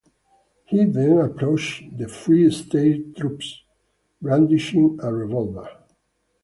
He then approached the Free State troops, brandishing a revolver.